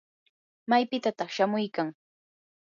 ¿maypitataq shamuykan?